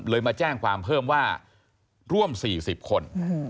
มาแจ้งความเพิ่มว่าร่วม๔๐คน